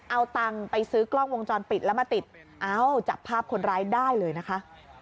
เอาตังค์ไปซื้อกล้องวงจรปิดแล้วมาติดเอ้าจับภาพคนร้ายได้เลยนะคะ